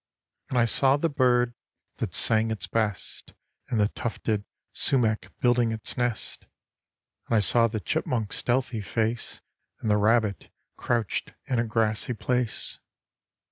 And I saw the bird, that sang its best, In the tufted sumac building its nest. And I saw the chipmunk's stealthy face, And the rabbit crouched in a grassy place.